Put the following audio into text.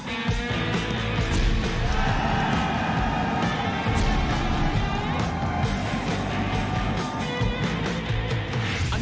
อันดับที่หนึ่ง